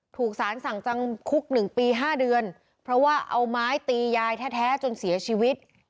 ถูกสารสั่งจำคุก๑ปี๕เดือนเพราะว่าเอาไม้ตียายแท้จนเสียชีวิต